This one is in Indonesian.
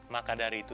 maka dari itu